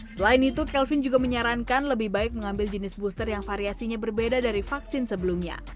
selain itu kelvin juga menyarankan lebih baik mengambil jenis booster yang variasinya berbeda dari vaksin sebelumnya